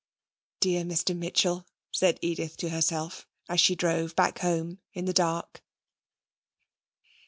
'Dear Mr Mitchell!' said Edith to herself as she drove back home in the dark.